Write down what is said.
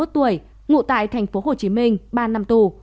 ba mươi một tuổi ngụ tại tp hcm ba năm tù